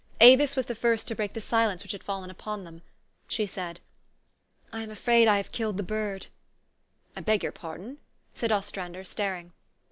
Avis was the first to break the silence which had fallen upon them. She said, " I am afraid I have killed the bird." " I beg your pardon? " said Ostrander, staring.